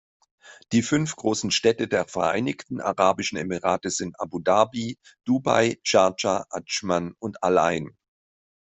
Die fünf großen Städte der Vereinigten Arabischen Emirate sind Abu Dhabi, Dubai, Schardscha, Adschman und Al-Ain.